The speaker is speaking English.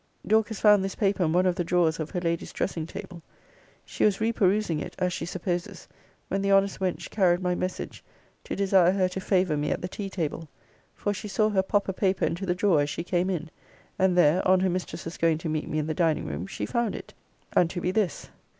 Dorcas found this paper in one of the drawers of her lady's dressing table. She was reperusing it, as she supposes, when the honest wench carried my message to desire her to favour me at the tea table; for she saw her pop a paper into the drawer as she came in; and there, on her mistress's going to meet me in the dining room, she found it; and to be this.